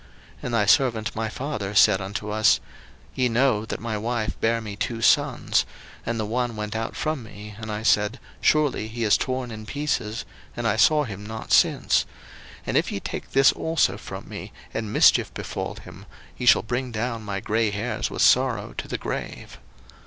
01:044:027 And thy servant my father said unto us, Ye know that my wife bare me two sons: 01:044:028 And the one went out from me, and I said, Surely he is torn in pieces; and I saw him not since: 01:044:029 And if ye take this also from me, and mischief befall him, ye shall bring down my gray hairs with sorrow to the grave.